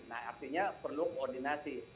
nah artinya perlu koordinasi